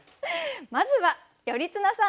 まずは頼綱さん